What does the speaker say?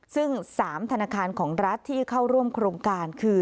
ซึ่ง๓ธนาคารของรัฐที่เข้าร่วมโครงการคือ